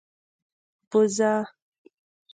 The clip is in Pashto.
🐐 بزه